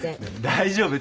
大丈夫？